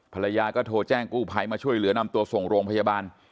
ภรรยาก็โทรแจ้งกู้ภัยมาช่วยเหลือนำตัวส่งโรงพยาบาล